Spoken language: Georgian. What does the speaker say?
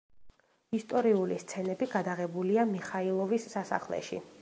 ისტორიული სცენები გადაღებულია მიხაილოვის სასახლეში.